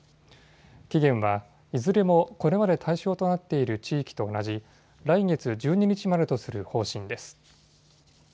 期限はいずれもこれまで対象となっている地域と同じ来月１２日までとする方針です。